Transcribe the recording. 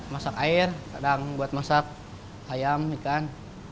masak air kadang buat masak ayam ikan